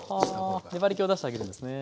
はは粘りけを出してあげるんですね。